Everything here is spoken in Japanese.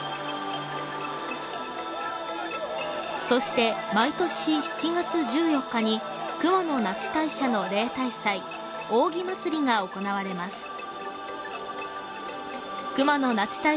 そして毎年７月１４日に熊野那智大社の例大祭「扇祭」が行われます。